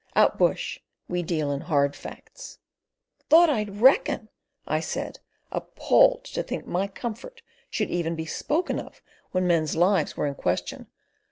Out bush we deal in hard facts. "Thought I'd reckon!" I said, appalled to think my comfort should even be spoken of when men's lives were in question.